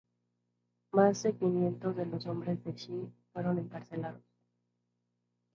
Más de quinientos de los hombres de Schill fueron encarcelados.